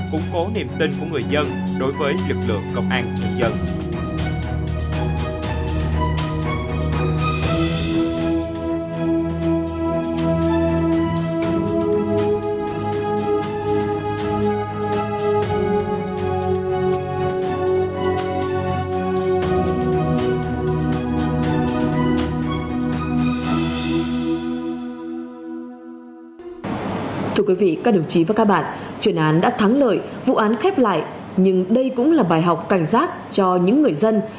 cung cố niềm tin của người dân đối với lực lượng công an nhân dân